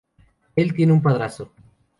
Él tiene un padrastro.